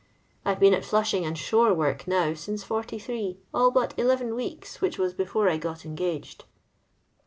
I 've been at fluabing and skvre work now since '43, all but eleven weekly whkk was before I got engaged.